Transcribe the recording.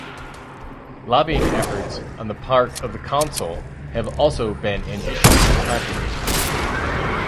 Lobbying efforts on the part of Consol have also been an issue of controversy.